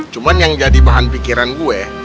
cuma yang jadi bahan pikiran gue